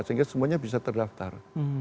sehingga semuanya bisa terdaftar